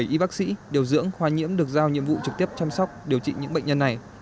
bảy y bác sĩ điều dưỡng khoa nhiễm được giao nhiệm vụ trực tiếp chăm sóc điều trị những bệnh nhân này